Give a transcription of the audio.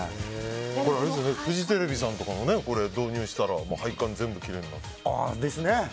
フジテレビさんとかも導入したら配管全部きれいになって。